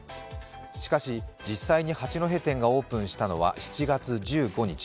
しかし、実際に八戸店がオープンしたのは７月１５日。